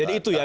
jadi itu ya